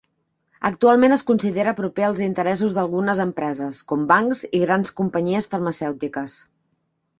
Actualment es considera proper als interessos d'algunes empreses, com bancs i grans companyies farmacèutiques.